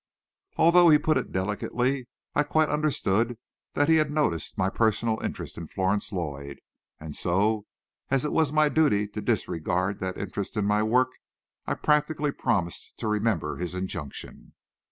Although he put it delicately, I quite understood that he had noticed my personal interest in Florence Lloyd, and so, as it was my duty to disregard that interest in my work, I practically promised to remember his injunction.